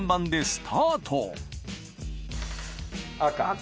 赤。